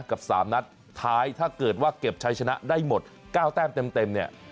กับ๓นัดท้ายถ้าเกิดว่าเก็บชัยชนะได้หมด๙แต้มเต็มเนี่ย